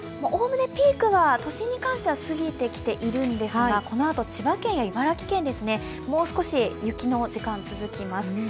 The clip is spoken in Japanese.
おおむねピークは都心に関しては過ぎてきているんですがこのあと千葉県や茨城県、もう少し雪の時間続きます。